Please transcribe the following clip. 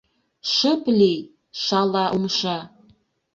Шып лий, шала умша!..